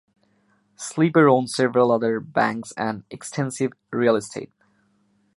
Sleeper owned several other banks and extensive real estate.